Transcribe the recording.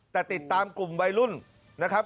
แต่ติดตามกลุ่มวัยรุ่นนะครับ